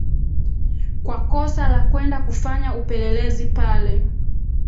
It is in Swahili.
kwa kosa la kwenda kufanya upelelezi pale